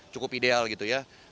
cukup ideal gitu ya